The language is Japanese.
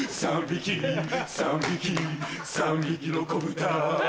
３匹３匹３匹の子ぶた